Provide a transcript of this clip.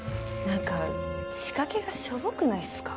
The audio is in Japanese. なんか仕掛けがしょぼくないっすか？